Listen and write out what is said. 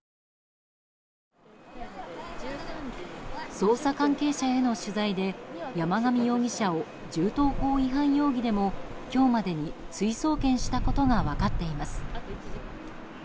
捜査関係者への取材で山上容疑者を銃刀法違反容疑でも今日までに追送検したことが分かっています。